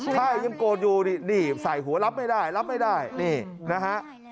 ถ้ายังโกรธอยู่นี่ใส่หัวรับไม่ได้รับไม่ได้นี่นะฮะ